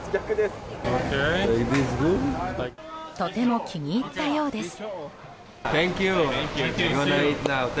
とても気に入ったようです。